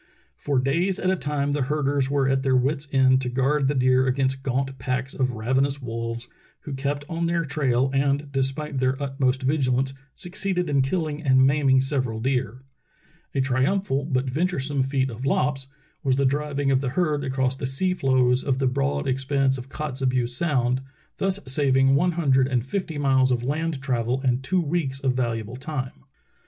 For days at a time the herders were at their wits' ends to guard the deer against gaunt packs of ravenous wolves, who kept on their trail and, despite their utmost vigilance, succeeded in killing and maiming several deer. A triumphal but venturesome feat of Lopp's was the driving of the herd across the sea floes of the broad expanse of Kotzebue Sound, thus saving one hundred and fifty miles of land travel and two weeks of valuable time.